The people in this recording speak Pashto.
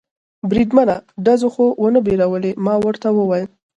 بریدمنه، ډزو خو و نه بیرولې؟ ما ورته وویل.